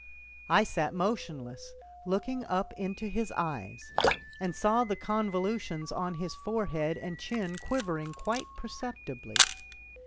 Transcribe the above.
I sat motionless, looking up into his eyes, and saw the convolutions on his forehead and chin quivering quite perceptibly.